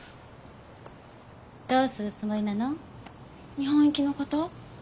日本行きのこと？